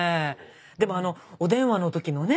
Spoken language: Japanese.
でもあのお電話の時のね